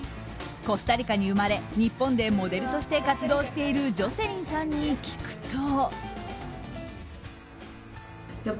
コスタリカに生まれ日本でモデルとして活動しているジョセリンさんに聞くと。